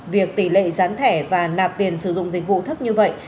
việc tỷ lệ gián thẻ và nạp tiền sử dụng dịch vụ thấp như vậy